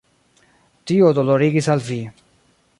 Tio dolorigis al vi.